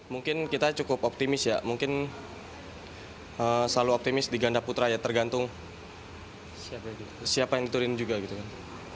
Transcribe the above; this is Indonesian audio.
mungkin kita cukup optimis ya mungkin selalu optimis di ganda putra ya tergantung siapa yang diturin juga gitu kan